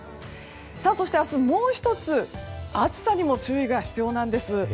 そして明日、もう１つ暑さにも注意が必要なんです。